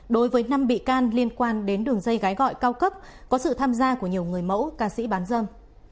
đối với năm bị can liên quan đến đường dây gái gọi cao cấp có sự tham gia của nhiều người mẫu ca sĩ bán dâm